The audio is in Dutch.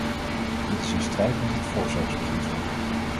Dit is in strijd met het voorzorgsbeginsel.